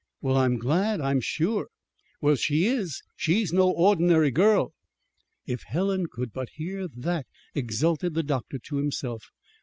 Well, I'm glad, I'm sure." "Well, she is. She's no ordinary girl." ("If Helen could but hear that!" exulted the doctor to himself.)